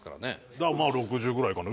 だからまあ６０ぐらいかな。